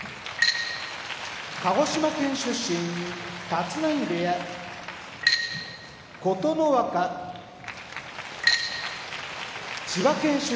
鹿児島県出身立浪部屋琴ノ若千葉県出身